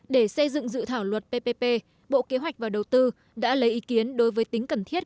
để xây dựng dự thảo luật ppp bộ kế hoạch và đầu tư đã lấy ý kiến đối với tính cần thiết